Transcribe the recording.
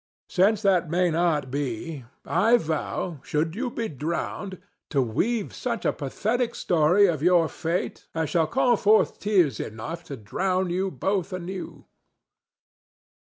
Since that may not be, I vow, should you be drowned, to weave such a pathetic story of your fate as shall call forth tears enough to drown you both anew.